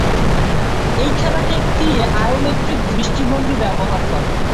এই খেলাটি একটি আয়োমেট্রিক দৃষ্টিভঙ্গি ব্যবহার করে।